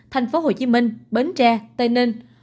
thành phố hồ chí minh bến tre tây ninh